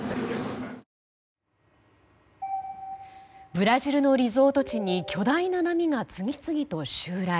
ブラジルのリゾート地に巨大な波が次々と襲来。